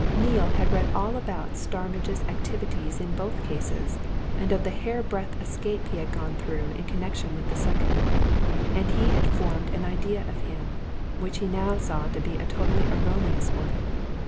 Neale had read all about Starmidge's activities in both cases, and of the hairbreadth escape he had gone through in connection with the second. And he had formed an idea of him which he now saw to be a totally erroneous one.